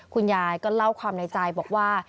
คุณยายก็เล่าความในใจบอกว่า